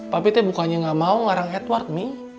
papi teh bukannya gak mau ngelarang edward mie